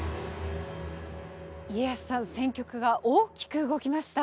家康さん戦局が大きく動きました！